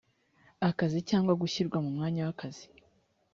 akazi cyangwa gushyirwa mu mwanya w akazi